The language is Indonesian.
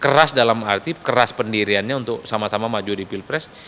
keras dalam arti keras pendiriannya untuk sama sama maju di pilpres